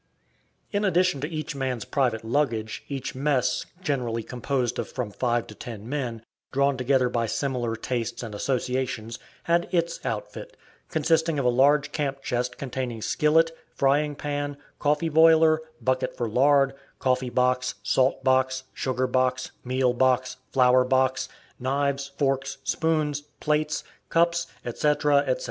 In addition to each man's private luggage, each mess, generally composed of from five to ten men, drawn together by similar tastes and associations, had its outfit, consisting of a large camp chest containing skillet, frying pan, coffee boiler, bucket for lard, coffee box, salt box, sugar box, meal box, flour box, knives, forks, spoons, plates, cups, etc., etc.